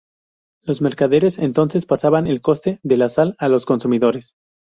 Los mercaderes entonces pasaban el coste de la sal a los consumidores.